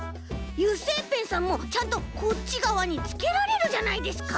油性ペンさんもちゃんとこっちがわにつけられるじゃないですか！